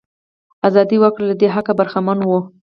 ازاد وګړي له دې حقه برخمن وو.